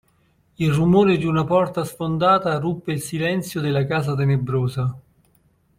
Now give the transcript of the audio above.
Il rumore di una porta sfondata ruppe il silenzio della casa tenebrosa.